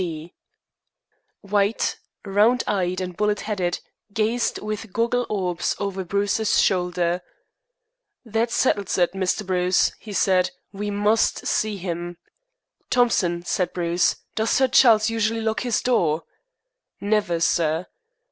"C. D." White, round eyed and bullet headed, gazed with goggle orbs over Bruce's shoulder. "That settles it, Mr. Bruce," he said. "We must see him." "Thompson," said Bruce, "does Sir Charles usually lock his door?" "Never, sir."